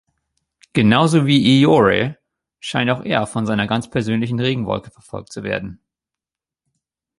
Genauso wie Eeyore scheint auch er von seiner ganz persönlichen Regenwolke verfolgt zu werden.